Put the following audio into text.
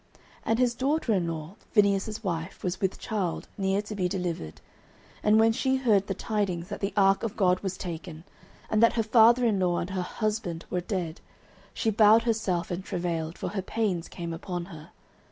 09:004:019 And his daughter in law, Phinehas' wife, was with child, near to be delivered: and when she heard the tidings that the ark of God was taken, and that her father in law and her husband were dead, she bowed herself and travailed; for her pains came upon her.